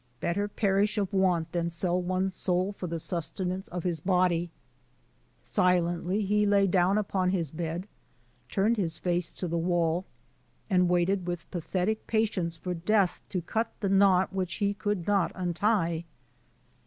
Better perish of want than sell one's soul for the sustenance of his body^ Sileiitty be lay down upon his bed, turned his face to the wall, and waited wkh pathetic patience for death to cut the knot which he could ivot untie.